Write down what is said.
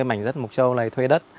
mảnh đất mục châu này thuê đất